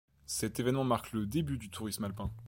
Cet événement marque le début du tourisme alpin.